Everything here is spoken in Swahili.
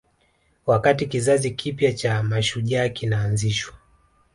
Wakati kizazi kipya cha mashujaa kinaanzishwa